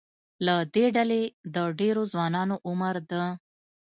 له دې ډلې د ډېرو ځوانانو عمر د